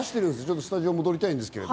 スタジオに戻りたいんですけど。